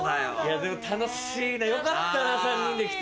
でも楽しいねよかったな３人で来て。